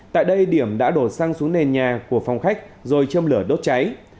tại đây điểm đã đổ xăng xuống nền nhà của phòng khách rồi châm lửa đốt cháy